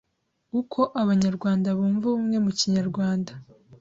Uko abanyarwanda bumva ubumwe Mu Kinyarwanda